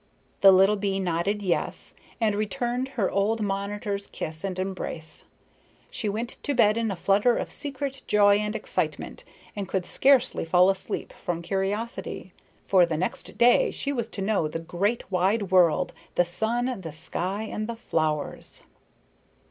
The little bee nodded yes, and returned her old monitor's kiss and embrace. She went to bed in a flutter of secret joy and excitement and could scarcely fall asleep from curiosity. For the next day she was to know the great, wide world, the sun, the sky and the flowers.